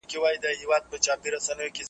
تل هڅه کوه تر څو بریالی ژوند ولری.